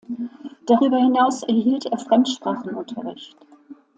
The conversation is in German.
Darüber hinaus erhielt er Fremdsprachenunterricht.